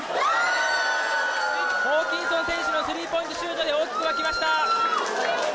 ホーキンソン選手のスリーポイントシュートで大きく沸きました。